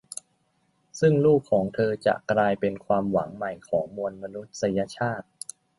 ซึ่งลูกของเธอจะกลายเป็นความหวังใหม่ของมวลมนุษยชาติ